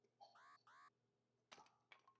川滇鼠李为鼠李科鼠李属下的一个种。